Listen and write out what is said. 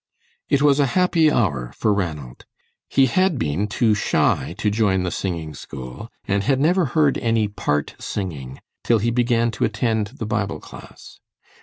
It was a happy hour for Ranald. He had been too shy to join the singing school, and had never heard any part singing till he began to attend the Bible class.